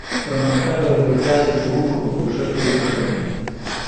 پرمختګ او لوړتیا د ښوونکو په کوښښ پورې اړه لري.